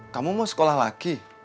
kamu mau sekolah lagi